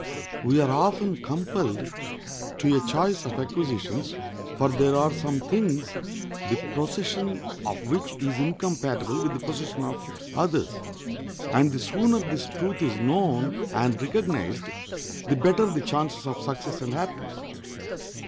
We are often compelled to a choice of acquisitions, for there are some things the possession of which is incompatible with the possession of others, and the sooner this truth is known and recognized the better the chances of success and happiness.